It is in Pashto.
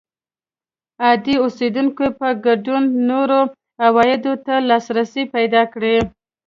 عادي اوسېدونکو په ګډون نورو عوایدو ته لاسرسی پیدا کړ